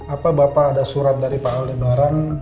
apa bapak ada surat dari pak al lebaran